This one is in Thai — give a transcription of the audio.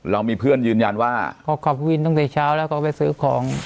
เรามีเพื่อนยืนยันว่าเขาขับวินตั้งแต่เช้าแล้วเขาไปซื้อของ